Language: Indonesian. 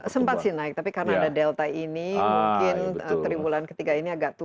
sempat sih naik tapi karena ada delta ini mungkin tribulan ketiga ini agak turun